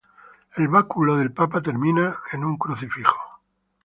El báculo del Papa termina en un crucifijo.